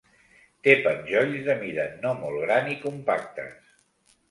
Té penjolls de mida no molt gran i compactes.